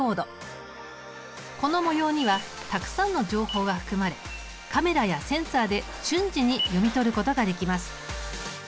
この模様にはたくさんの情報が含まれカメラやセンサーで瞬時に読み取ることができます。